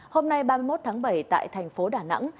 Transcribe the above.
hôm nay ba mươi một tháng bảy tại thành phố đà nẵng